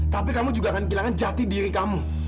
tapi kamu juga akan kehilangan jati diri kamu